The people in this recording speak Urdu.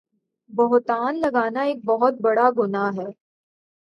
بہتان لگانا ایک بہت بڑا گناہ ہے